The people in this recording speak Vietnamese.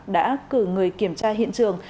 đã cử người kiểm tra hiện trường